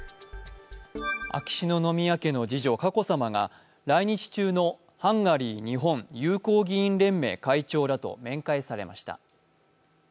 秋篠宮家の次女佳子さまが来日中のハンガリー日本友好議員連盟会長らと面会されました。